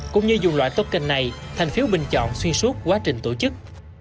cũng như dùng loại token này thành phiếu bình chọn xuyên suốt quá trình tổ chức